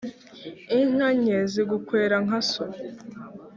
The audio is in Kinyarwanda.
Inka nke zigukwera nka so.